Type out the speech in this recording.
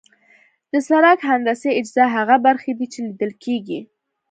د سرک هندسي اجزا هغه برخې دي چې لیدل کیږي